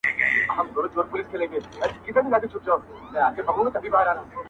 په ځنگله کې وزېږوه، په بازارکې لوى که.